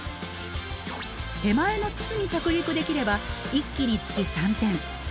手前の筒に着陸できれば１機につき３点。